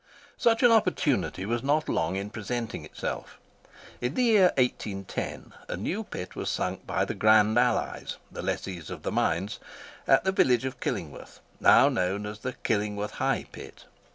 Such an opportunity was not long in presenting itself. In the year 1810, a new pit was sunk by the "Grand Allies" (the lessees of the mines) at the village of Killingworth, now known as the Killingworth High Pit.